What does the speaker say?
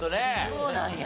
そうなんや。